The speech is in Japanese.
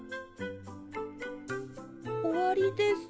おわりです。